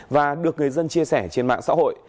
và được người dân chia sẻ trên mạng xã hội